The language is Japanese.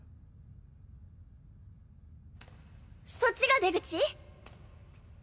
そっちが出口？